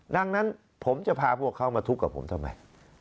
ดังนั้นผมจะพาพวกเขามาทุกข์กับผมทำไม